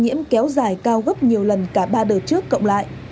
nhiễm kéo dài cao gấp nhiều lần cả ba đời trước cộng lại